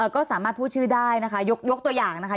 ก็สามารถพูดชื่อได้นะคะยกตัวอย่างนะคะ